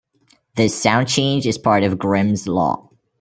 This sound change is part of Grimm's law.